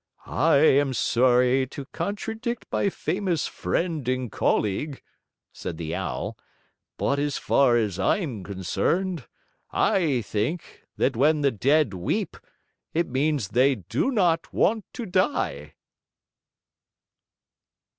"I am sorry to contradict my famous friend and colleague," said the Owl, "but as far as I'm concerned, I think that when the dead weep, it means they do not want to die."